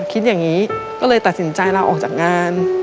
คิดอย่างนี้ก็เลยตัดสินใจลาออกจากงาน